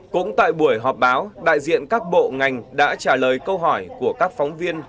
cũng tại buổi họp báo đại diện các bộ ngành đã trả lời câu hỏi của các phóng viên